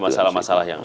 masalah masalah yang ada